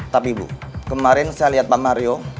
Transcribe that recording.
tapi ibu kemarin saya lihat pak mario